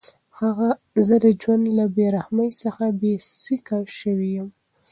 زه د ژوند له بېرحمۍ څخه بېسېکه شوی وم.